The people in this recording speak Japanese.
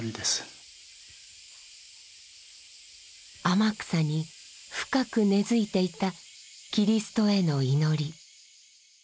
天草に深く根づいていたキリストへの祈り。